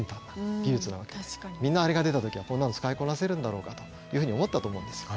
みんなあれが出た時はこんなの使いこなせるだろうかというふうに思ったと思うんですよ。